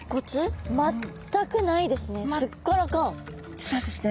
実はですね